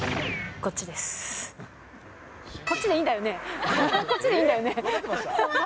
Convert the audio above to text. こっちでいいんだよね？